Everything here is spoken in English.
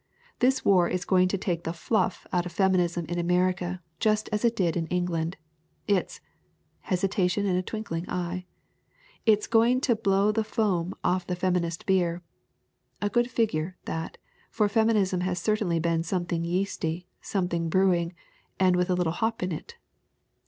This war is going to take the 'fluff out of feminism in America just as it did in England. It's" hesitation and a twinkling eye "it's going to blow the foam off the feminist beer! [A good figure, that, for feminism has cer tainly been something yeasty, something brewing, and with a little hop in it!